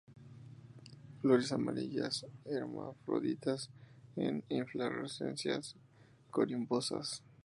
Flores amarillas, hermafroditas, en inflorescencias corimbosas.